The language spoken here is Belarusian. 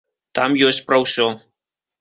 Там ёсць пра ўсё.